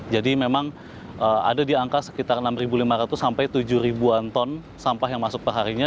jadi memang ada di angka sekitar enam lima ratus sampai tujuh an ton sampah yang masuk perharinya